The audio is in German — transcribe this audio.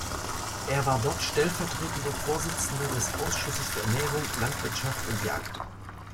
Er war dort stellvertretender Vorsitzender des Ausschusses für Ernährung, Landwirtschaft und Jagd.